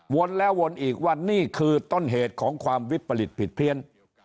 แล้ววนอีกว่านี่คือต้นเหตุของความวิปริตผิดเพี้ยน